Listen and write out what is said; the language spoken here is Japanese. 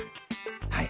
はい。